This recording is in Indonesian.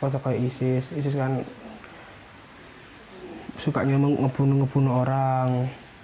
walaupun isis isis kan sukanya membunuh bunuh orang